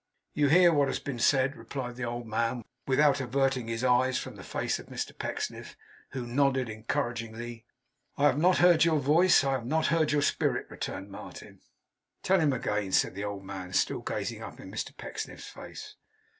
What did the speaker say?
'You hear what has been said,' replied the old man, without averting his eyes from the face of Mr Pecksniff; who nodded encouragingly. 'I have not heard your voice. I have not heard your spirit,' returned Martin. 'Tell him again,' said the old man, still gazing up in Mr Pecksniff's face.